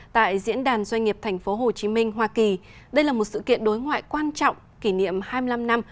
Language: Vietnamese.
tại diễn đàn doanh nghiệp tp hcm hoa kỳ đây là một sự kiện đối ngoại quan trọng kỷ niệm hai mươi năm năm